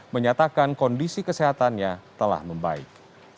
menyatakan kondisi kesehatannya telah membaik